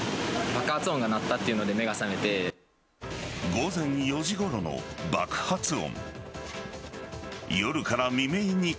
午前４時ごろの爆発音。